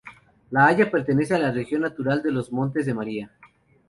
La Haya Pertenece a la Región natural de los Montes de María.